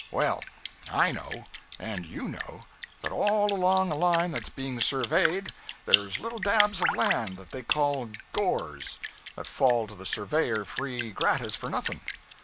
Well, I know, and you know, that all along a line that 's being surveyed, there 's little dabs of land that they call "gores," that fall to the surveyor free gratis for nothing.